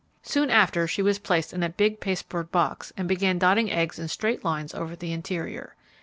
Soon after she was placed in a big pasteboard box and began dotting eggs in straight lines over the interior.